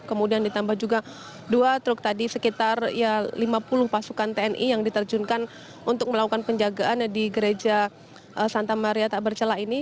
kemudian ditambah juga dua truk tadi sekitar lima puluh pasukan tni yang diterjunkan untuk melakukan penjagaan di gereja santa maria takbercelah ini